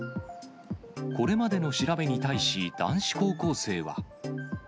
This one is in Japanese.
これまでの調べに対し、男子高校生は。